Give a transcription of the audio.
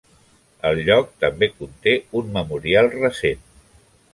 El lloc també conté un memorial recent.